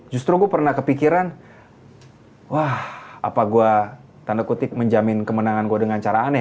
justru gue pernah kepikiran wah apa gue tanda kutip menjamin kemenangan gue dengan cara aneh